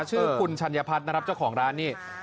ชื่อคุณชัญพัฒน์นะครับเจ้าของร้านนี่